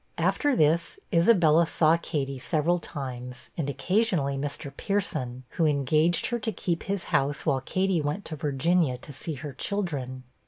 After this, Isabella saw Katy several times, and occasionally Mr. Pierson, who engaged her to keep his house while Katy went to Virginia to see her children.